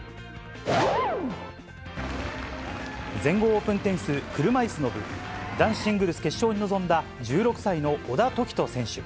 全豪オープンテニス車いすの部、男子シングルス決勝に臨んだ１６歳の小田凱人選手。